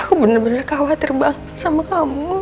aku bener bener khawatir banget sama kamu